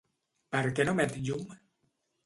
Per què no emet llum?